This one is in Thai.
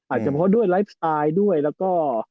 เฉพาะด้วยไลฟ์สไตล์ด้วยแล้วก็